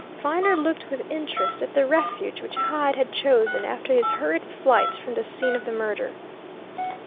Viner looked with interest at the refuge which Hyde had chosen after his hurried flight from the scene of the murder.